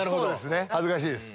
恥ずかしいです。